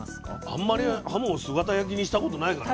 あんまりはもを姿焼きにしたことないからね。